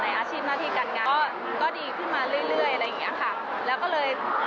ในอาชีพหน้าที่การงานอ้ะก็ดีขึ้นมาเรื่อยอะไรเงี้ยค่ะ